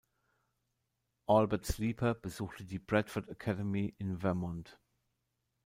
Albert Sleeper besuchte die "Bradford Academy" in Vermont.